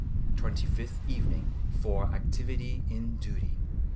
TWENTY FIFTH EVENING. FOR ACTIVITY IN DUTY.